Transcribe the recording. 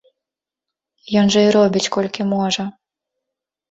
Ён жа і робіць колькі можа.